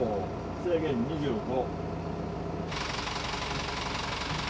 制限２５。